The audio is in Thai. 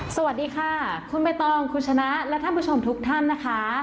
สวัสดีค่ะคุณใบตองคุณชนะและท่านผู้ชมทุกท่านนะคะ